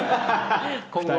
今後。